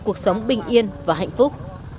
cuộc sống bình yên và hạnh phúc